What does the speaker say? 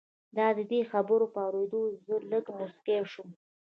د دې خبرې په اورېدو زه لږ موسک شوم